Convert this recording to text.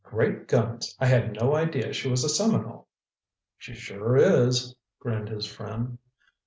"Great guns! I had no idea she was a Seminole!" "She sure is," grinned his friend.